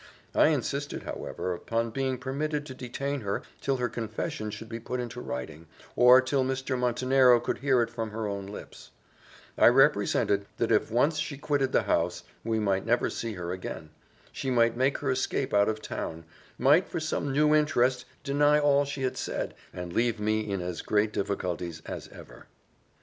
I insisted, however, upon being permitted to detain her till her confession should be put into writing, or till Mr. Montenero could hear it from her own lips: I represented that if once she quitted the house, we might never see her again; she might make her escape out of town; might, for some new interest, deny all she had said, and leave me in as great difficulties as ever.